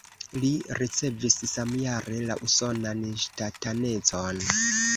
Li ricevis samjare la usonan ŝtatanecon.